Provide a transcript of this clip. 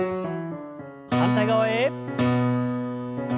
反対側へ。